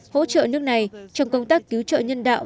hỗ trợ nước này trong công tác cứu trợ nhân đạo